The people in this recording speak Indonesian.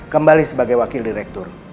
kembali sebagai wakil direktur